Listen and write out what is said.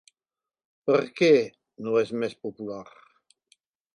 Per què no és més popular?